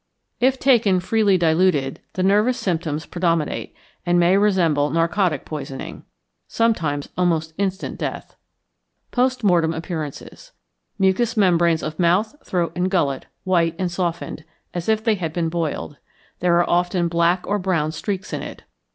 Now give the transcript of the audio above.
If taken freely diluted, the nervous symptoms predominate, and may resemble narcotic poisoning. Sometimes almost instant death. Post Mortem Appearances. Mucous membrane of mouth, throat, and gullet, white and softened, as if they had been boiled; there are often black or brown streaks in it.